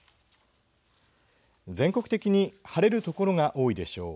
全国的に晴れる所が多いでしょう。